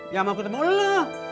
ya mau ketemu lo